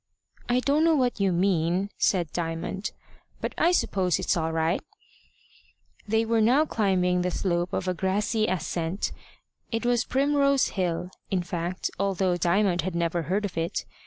"I don't know what you mean," said Diamond, "but I suppose it's all right." They were now climbing the slope of a grassy ascent. It was Primrose Hill, in fact, although Diamond had never heard of it.